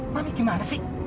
mami gimana sih